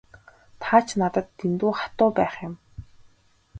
Та ч надад дэндүү хатуу байх юм.